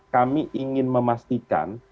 kami ingin memastikan